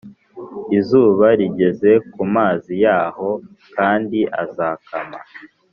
Izuba rigeze ku mazi yaho kandi azakama